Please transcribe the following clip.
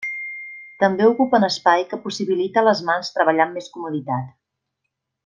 També ocupa un espai que possibilita les mans treballar amb més comoditat.